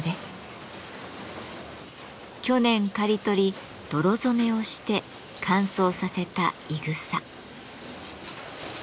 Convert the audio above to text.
去年刈り取り泥染めをして乾燥させたいぐさ。